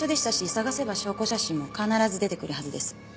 探せば証拠写真も必ず出てくるはずです。